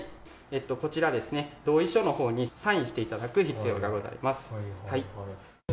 こちら、同意書のほうにサインしていただく必要がございます。